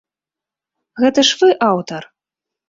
Гэта ж вы аўтар?